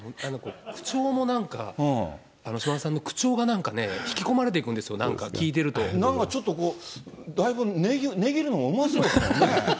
口調もなんか、島田さんの口調がなんかね、引き込まれていくなんかちょっとこう、だいぶ値切るのもうまそうやね。